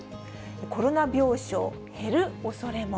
コロナ病床減るおそれも。